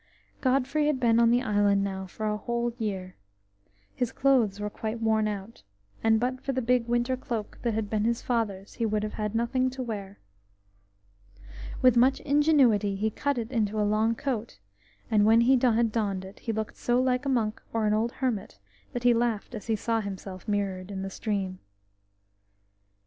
Godfrey had been on the island now for a whole year. His clothes were quite worn out, and but for the big winter cloak that had been his father's, he would have had nothing to wear. With much ingenuity he cut it into a long coat, and when he had donned it he looked so like a monk or an old hermit that he laughed as he saw himself mirrored in the stream.